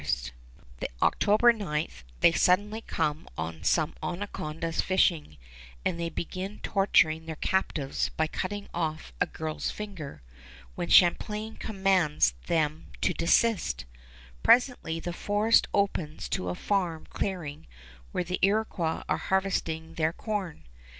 [Illustration: THE ONONDAGA FORT (From Champlain's diagram)] October 9 they suddenly come on some Onondagas fishing, and they begin torturing their captives by cutting off a girl's finger, when Champlain commands them to desist. Presently the forest opens to a farm clearing where the Iroquois are harvesting their corn.